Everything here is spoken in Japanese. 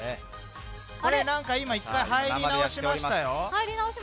今、１回入り直しましたよ。